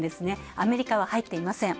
アメリカは入っていません。